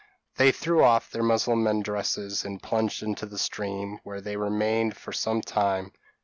They threw off their Mussulman dresses, and plunged into the stream, where they remained fur some time.